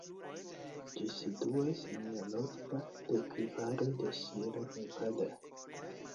Ĝi situas en la norda deklivaro de Sierra Nevada.